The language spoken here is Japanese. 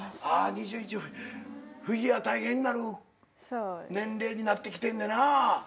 ２１フィギュア大変になる年齢になってきてんねんなぁ。